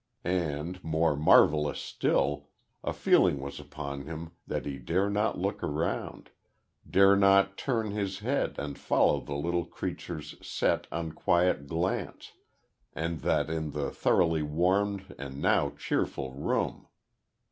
And, more marvellous still, a feeling was upon him that he dare not look round, dare not turn his head and follow the little creature's set, unquiet glance and that in the thoroughly warmed and now cheerful room.